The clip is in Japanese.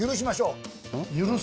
許す？